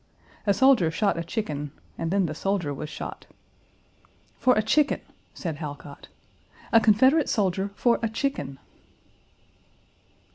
A soldier shot a chicken, and then the soldier was shot. "For a chicken!" said Halcott. "A Confederate soldier for a chicken!"